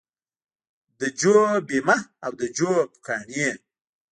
د جو بیمه او د جو پوکاڼې